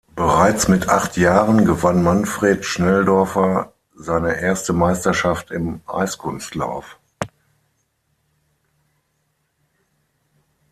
Bereits mit acht Jahren gewann Manfred Schnelldorfer seine erste Meisterschaft im Eiskunstlauf.